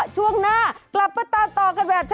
ช่วงหน้ากลับมาตามต่อกันแบบ